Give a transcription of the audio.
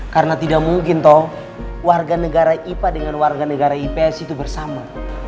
karena tidak mungkin toh warga negara ipa dengan warga negara ipps itu bersama